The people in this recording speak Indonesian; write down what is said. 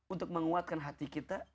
untuk menguatkan hati kita